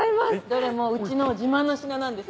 どれもうちの自慢の品なんです。